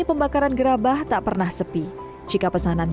pembakaran gerabah tak pernah sepi jika pesanan